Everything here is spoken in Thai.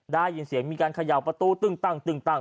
ได้สิดสิบสิบมีการขยาวประตูประตูตึ่งตั้งตึงตั้ง